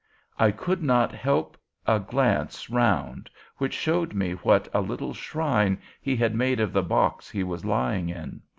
I could not help a glance round, which showed me what a little shrine he had made of the box he was lying in.